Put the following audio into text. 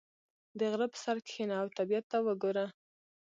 • د غره پر سر کښېنه او طبیعت ته وګوره.